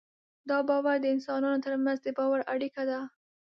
دا باور د انسانانو تر منځ د باور اړیکه ده.